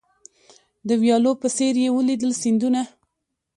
د ویالو په څېر یې ولیدل سیندونه